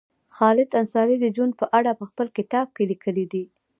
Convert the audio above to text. خالد انصاري د جون په اړه په خپل کتاب کې لیکلي دي